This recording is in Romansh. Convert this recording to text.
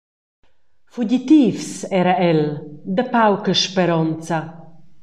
Fugitivs era el, da pauca speronza.